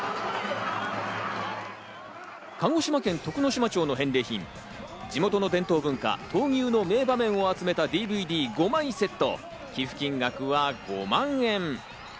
鹿児島県徳之島町の返礼品、地元の伝統文化・闘牛の名場面を集めたＤＶＤ５枚セット。